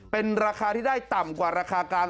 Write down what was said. เป็นราคาที่ได้ต่ำกว่าราคากลาง